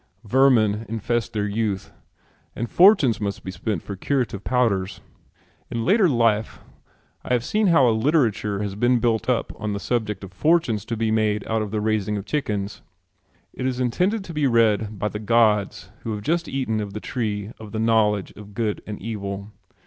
Vermin infest their youth, and fortunes must be spent for curative powders. In later life I have seen how a literature has been built up on the subject of fortunes to be made out of the raising of chickens. It is intended to be read by the gods who have just eaten of the tree of the knowledge of good and evil.